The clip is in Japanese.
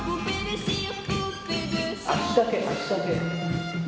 足だけ足だけ。